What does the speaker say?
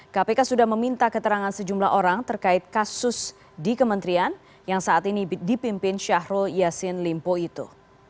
kpk sudah meminta keterangan sejumlah orang terkait kasus di kementerian yang saat ini dipimpin syahrul yassin limpo itu